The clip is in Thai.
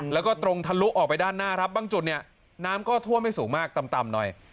แล้วก็ตรงทะลุออกไปด้านหน้าครับบางจุดเนี่ยน้ำก็ท่วมไม่สูงมากต่ำหน่อย